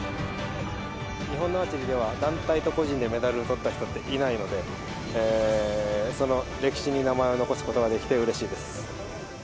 日本のアーチェリーでは、団体と個人でメダルをとった人っていないので、その歴史に名前を残すことができてうれしいです。